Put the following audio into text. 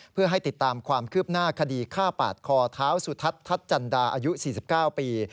เพื่อให้ติดตามความคืบหน้าคดีฆ่าปาดคอท้าวสุทัศน์ทัศน์จันดาอายุ๔๙ปี